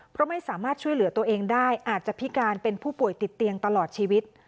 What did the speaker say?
เพราะไม่สามารถช่วยเหลือตัวเองได้อาจจะพิการเป็นผู้ป่วยติดเตียงตลอดชีวิต